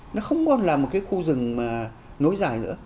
nó không còn là một cái khu rừng mà nối dài nữa